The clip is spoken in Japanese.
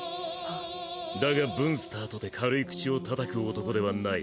だがブンスターとて軽い口をたたく男ではない。